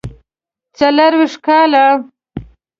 څلوېښت کاله.